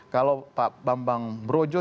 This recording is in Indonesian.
kalau pak bambang brojo